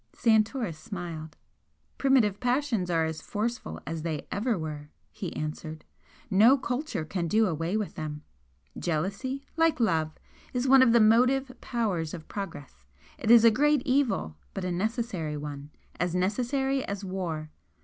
Santoris smiled. "Primitive passions are as forceful as they ever were," he answered. "No culture can do away with them. Jealousy, like love, is one of the motive powers of progress. It is a great evil but a necessary one as necessary as war.